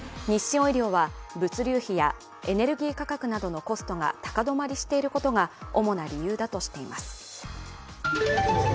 オイリオは、物流費やエネルギー価格などのコストが高止まりしていることが主な理由だとしています。